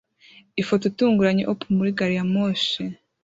Ifoto itunguranye op muri gariyamoshi